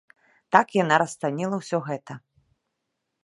Так яна расцаніла ўсё гэта.